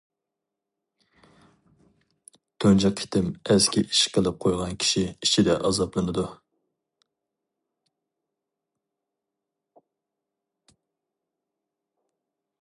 تۇنجى قېتىم ئەسكى ئىش قىلىپ قويغان كىشى ئىچىدە ئازابلىنىدۇ.